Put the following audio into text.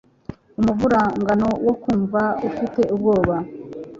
Umuvurungano wo kumva ufite ubwoba